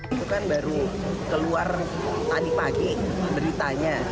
itu kan baru keluar tadi pagi beritanya